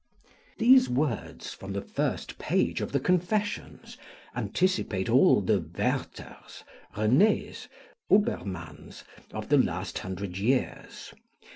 These words, from the first page of the Confessions, anticipate all the Werthers, Renés, Obermanns, of the last hundred years.